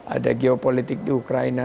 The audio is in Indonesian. ada geopolitik di ukraina